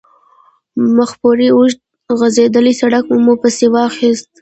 مخپورته اوږد غځېدلی سړک مو پسې واخیست.